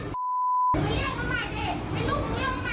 พี่กินเยียมนิตาตายต่อไป